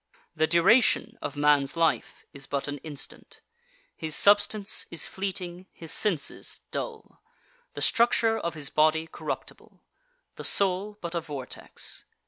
17. The duration of man's life is but an instant; his substance is fleeting, his senses dull; the structure of his body corruptible; the soul but a vortex.